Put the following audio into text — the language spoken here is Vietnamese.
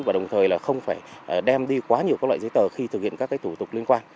và đồng thời không phải đem đi quá nhiều loại giấy tờ khi thực hiện các tủ tục liên quan